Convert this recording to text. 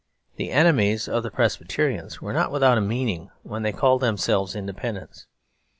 The enemies of the Presbyterians were not without a meaning when they called themselves Independents.